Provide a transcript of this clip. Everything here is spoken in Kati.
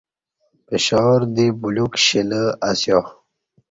پشاور دی بلیوک شیلہ اسیا